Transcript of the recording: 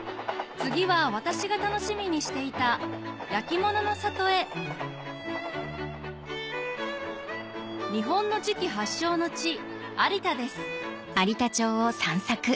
次は私が楽しみにしていた焼き物の里へ日本の磁器発祥の地有田ですあ